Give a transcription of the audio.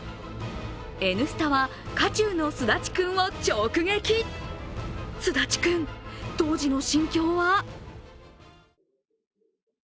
「Ｎスタ」は渦中のすだちくんを直撃すだちくん、当時の心境は？